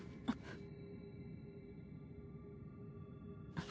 あっ。